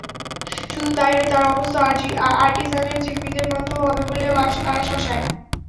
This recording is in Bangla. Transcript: শুধু তা-ই নয়, তাঁর অবস্থা আর্টিজানের জিম্মিদের মতো হবে বলেও তারা শাসায়।